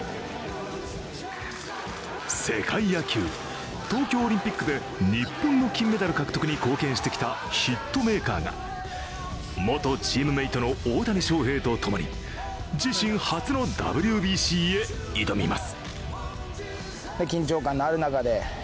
世界野球、東京オリンピックで日本の金メダル獲得に貢献してきたヒットメーカーが元チームメートの大谷翔平とともに自身初のＷＢＣへ挑みます。